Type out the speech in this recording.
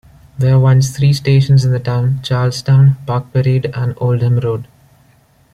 There were once three stations in the town: Charlestown, Park Parade and Oldham Road.